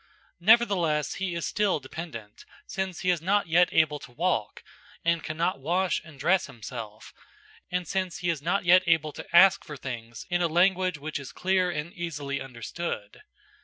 Nevertheless, he is still dependent, since he is not yet able to walk, and cannot wash and dress himself, and since he is not yet able to ask for things in a language which is clear and easily understood.